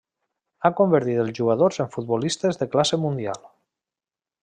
Ha convertit els jugadors en futbolistes de classe mundial.